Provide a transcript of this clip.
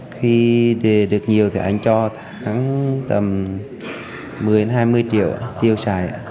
khi đề được nhiều thì anh cho tháng tầm một mươi hai mươi triệu tiêu xài